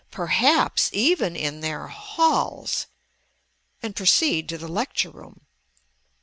_ PERHAPS EVEN IN THEIR HALLS ... and proceed to the lecture room.